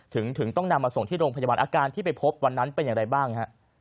ถึงต้องนำมาส่งที่โรงพยาบาลอาการที่ไปพบวันนั้นเป็นอย่างไรบ้างฮะ